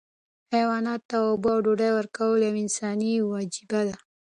حیواناتو ته اوبه او ډوډۍ ورکول یوه انساني وجیبه ده.